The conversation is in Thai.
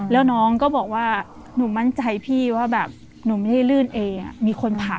แล้วน้องก็บอกว่าหนูมั่นใจพี่ว่าแบบหนูไม่ได้ลื่นเองมีคนผลัก